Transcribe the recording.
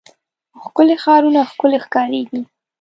ښکلي ښارونه ښکلي ښکاريږي.